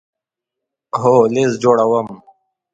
هو، لست جوړوم